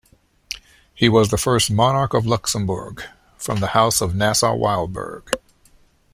He was the first monarch of Luxembourg from the House of Nassau-Weilburg.